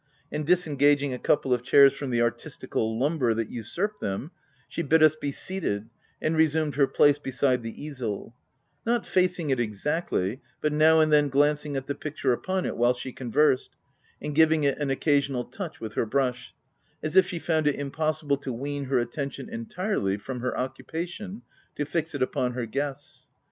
And disengaging a couple of chairs from the artistical lumber that usurped them, she bid us be seated, and resumed her place beside the easel — not facing it exactly, but now and then glanc ing at the picture upon it while she conversed, and giving it an occasional touch with her brush, as if she found it impossible to wean her attention entirely from her occupation to fix it upon her guests.